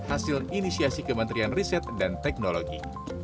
hasil inisiasi kementerian riset dan teknologi